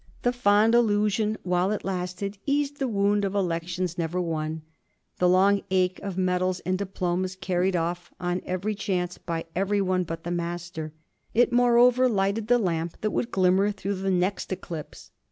The fond illusion, while it lasted, eased the wound of elections never won, the long ache of medals and diplomas carried off, on every chance, by everyone but the Master; it moreover lighted the lamp that would glimmer through the next eclipse.